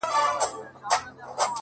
ځمه و لو صحراته؛